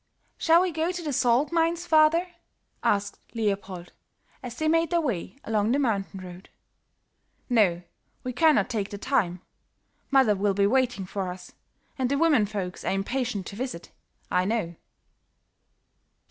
"Shall we go to the salt mines, father?" asked Leopold, as they made their way along the mountain road. "No, we cannot take the time; mother will be waiting for us and the women folks are impatient to visit, I know."